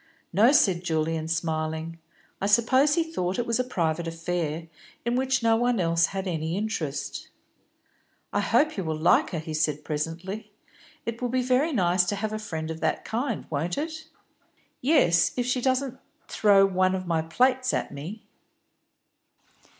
"No," said Julian, smiling. "I suppose he thought it was a private affair, in which no one else had any interest." "I hope you will like her," he said presently. "It will be very nice to have a friend of that kind, won't it?" "Yes, if she doesn't throw one of my own plates at me."